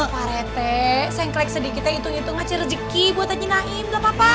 pak retai sengklek sedikitnya hitung hitung aja rezeki buat aja naim nggak apa apa